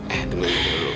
eh tunggu dulu